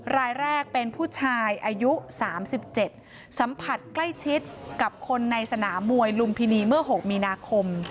รายแรกเป็นผู้ชายอายุ๓๗สัมผัสใกล้ชิดกับคนในสนามมวยลุมพินีเมื่อ๖มีนาคม